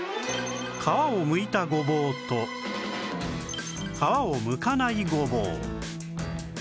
皮をむいたごぼうと皮をむかないごぼう